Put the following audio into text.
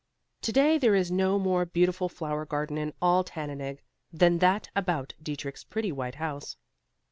Today there is no more beautiful flower garden in all Tannenegg, than that about Dietrich's pretty white house.